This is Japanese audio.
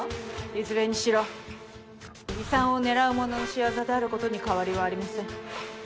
いずれにしろ遺産を狙う者の仕業であることに変わりはありません。